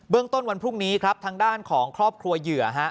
ต้นวันพรุ่งนี้ครับทางด้านของครอบครัวเหยื่อฮะ